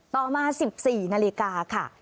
ต่อมา๑๔นาฬิกาค่ะ